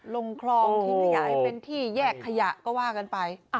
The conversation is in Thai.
ลงคลองทิ้งขยะให้เป็นที่แยกขยะก็ว่ากันไป